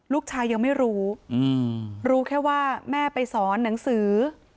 ลูกชายยังไม่รู้รู้รู้แค่ว่าแม่ไปสอนหนังสือ